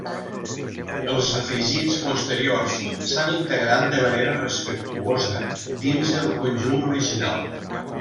Els afegits posteriors s'han integrat de manera respectuosa dins el conjunt original.